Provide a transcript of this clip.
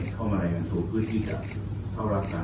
เข้ามาเรียนรับปรับความประจาน